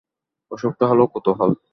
অসুখটা হলো কৌতূহল!